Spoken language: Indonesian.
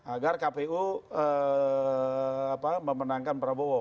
agar kpu memenangkan prabowo